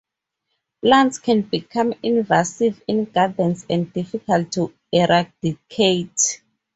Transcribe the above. Plants can become invasive in gardens and difficult to eradicate.